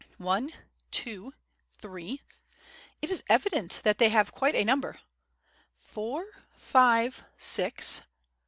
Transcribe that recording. "One, two, three .... it is evident that they have quite a number .... four, five, six